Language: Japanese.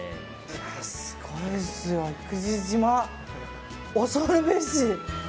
すごいですよ生口島、恐るべし。